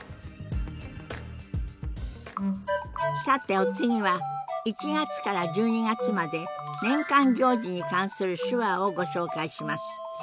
さてお次は１月から１２月まで年間行事に関する手話をご紹介します。